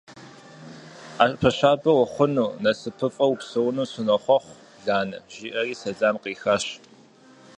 - Ӏэпэ щабэ ухъуну, насыпыфӀэу упсэуну сынохъуэхъу, Ланэ! – жиӀэри сэлам кърихащ.